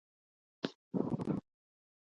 افغانستان باید فعاله بهرنۍ تګلاره ولري.